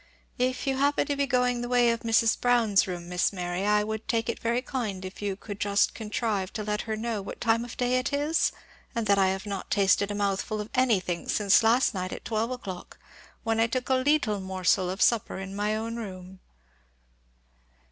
"If you happen to be going the way of Mrs. Brown's room, Miss Mary, I would take it very kind if you could just contrive to let her know what time of day it is; and that I have not tasted a mouthful of anything since last night at twelve o'clock, when I took a leettle morsel of supper in my own room."